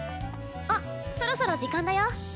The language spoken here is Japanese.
あっそろそろ時間だよ。